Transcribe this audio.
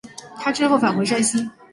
他之后返回山西。